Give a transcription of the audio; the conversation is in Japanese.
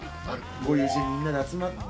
ご友人みんなで集まって。